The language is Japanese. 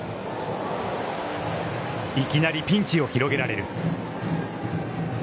いきなりピンチを広げられる。